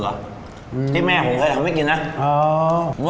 อืมที่แม่ผมเคยทำให้กินนะอ๋อ